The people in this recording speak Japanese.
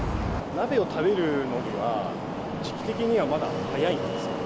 鍋を食べるのには、時期的にはまだ早いですか？